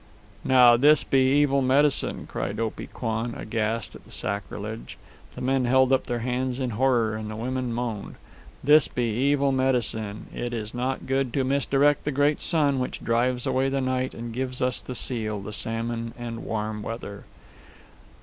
"Now this be evil medicine!" cried Opee Kwan, aghast at the sacrilege. The men held up their hands in horror, and the women moaned. "This be evil medicine. It is not good to misdirect the great sun which drives away the night and gives us the seal, the salmon, and warm weather."